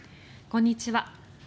こんにちは。